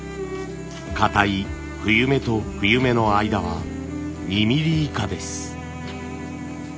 かたい冬目と冬目の間は２ミリ以下です。